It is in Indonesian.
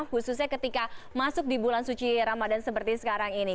khususnya ketika masuk di bulan suci ramadan seperti sekarang ini